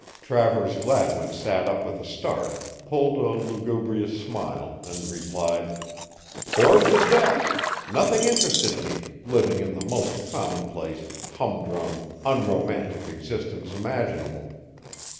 Travers Gladwin sat up with a start, pulled a lugubrious smile and replied: "Bored to death nothing interested me living the most commonplace, humdrum, unromantic existence imaginable.